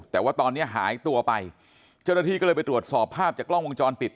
แต่ว่าตอนนี้หายตัวไปเจ้าหน้าที่ก็เลยไปตรวจสอบภาพจากกล้องวงจรปิด